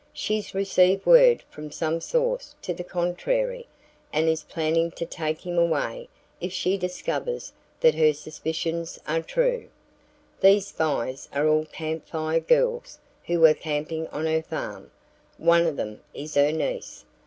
She's received word from some source to the contrary and is planning to take him away if she discovers that her suspicions are true. These spies are all Camp Fire Girls who were camping on her farm. One of them is her niece.